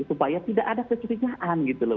supaya tidak ada kecurigaan gitu loh